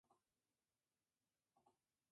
Se encuentra desde el Vietnam hasta Indonesia.